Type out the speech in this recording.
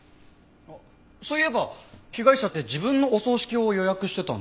あっそういえば被害者って自分のお葬式を予約してたんだよね？